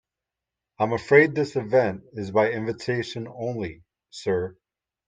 I'm afraid this event is by invitation only, sir.